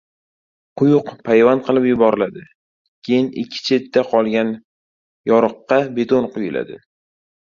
«quyuq» payvand qilib yuboriladi. Keyin ikki chetda qolgan «yoriq»qa beton quyiladi.